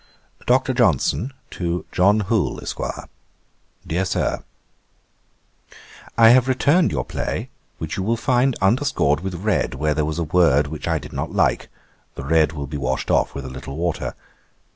'DR. JOHNSON TO JOHN HOOLE, Esq. 'DEAR SIR, 'I have returned your play, which you will find underscored with red, where there was a word which I did not like. The red will be washed off with a little water.